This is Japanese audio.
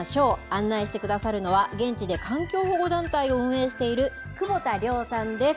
案内してくださるのは、現地で環境保護団体を運営している久保田亮さんです。